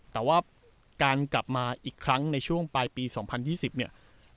แต่ว่าการกลับมาอีกครั้งในช่วงปลายปี๒๐๒๐เนี่ย